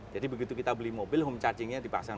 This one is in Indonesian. jadi begitu kita beli mobil home charging nya dipasang